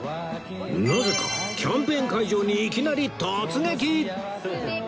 なぜかキャンペーン会場にいきなり突撃！